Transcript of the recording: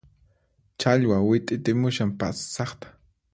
Challwa wit'itimushan pasaqta